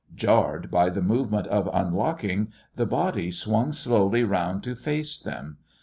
Jarred by the movement of unlocking, the body swung slowly round to face them....